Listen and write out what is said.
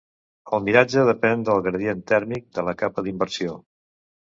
El miratge depèn del gradient tèrmic de la capa d'inversió.